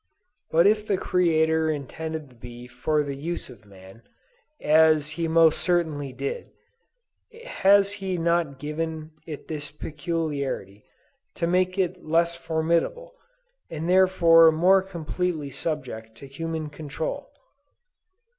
But if the Creator intended the bee for the use of man, as He most certainly did, has He not given it this peculiarity, to make it less formidable, and therefore more completely subject to human control?